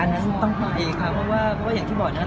อันนั้นต้องคุยเองค่ะเพราะว่าเพราะว่าอย่างที่บอกเนี่ยนะ